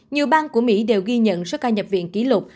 nhiều bang của mỹ đều ghi nhận số ca nhập viện kỷ lục